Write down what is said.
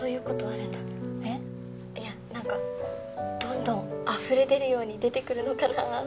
いやなんかどんどんあふれ出るように出てくるのかな。